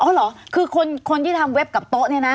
เหรอคือคนที่ทำเว็บกับโต๊ะเนี่ยนะ